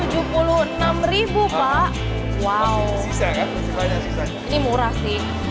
ini murah sih